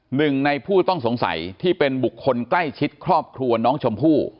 หนึ่งในผู้ต้องสงสัยที่เป็นบุคคลใกล้ชิดครอบครัวน้องชมพู่